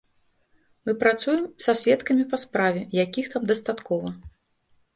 Мы працуем са сведкамі па справе, якіх там дастаткова.